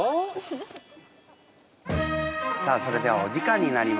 さあそれではお時間になりました。